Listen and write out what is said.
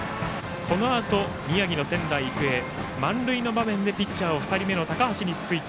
このあと、宮城の仙台育英満塁の場面でピッチャーを２人目の高橋にスイッチ。